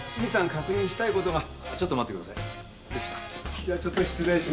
じゃあちょっと失礼します。